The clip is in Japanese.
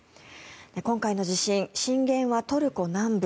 今回の地震、震源はトルコ南部。